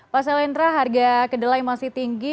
pak selendra harga kedelai masih tinggi